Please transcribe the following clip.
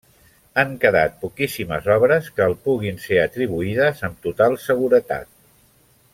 Han quedat poquíssimes obres que el puguin ser atribuïdes amb total seguretat.